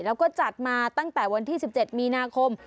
แล้วก็จัดมาตั้งแต่วันที่๑๗มีนาคม